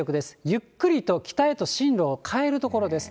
ゆっくりと北へと進路を変えるところです。